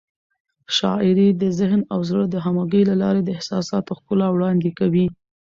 شاعري د ذهن او زړه د همغږۍ له لارې د احساساتو ښکلا وړاندې کوي.